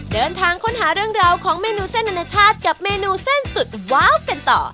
เดินทางค้นหาเรื่องราวของเมนูเส้นอนาชาติกับเมนูเส้นสุดว้าวกันต่อ